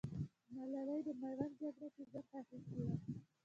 ملالۍ د ميوند جگړه کې برخه اخيستې وه.